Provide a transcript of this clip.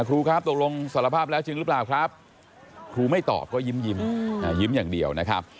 ครูครับตกลงสารภาพแล้วจริงหรือเปล่าครับครูไม่ตอบก็ยิ้มยิ้มอย่างเดียวนะครับ